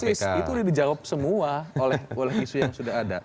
persis itu sudah dijawab semua oleh isu yang sudah ada